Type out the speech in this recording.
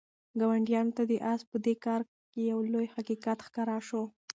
ګاونډیانو ته د آس په دې کار کې یو لوی حقیقت ښکاره شو.